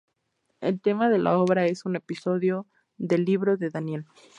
El tema de la obra es un episodio del "Libro de Daniel".